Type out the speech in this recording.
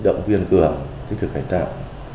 động viên cường tích cực cải tạo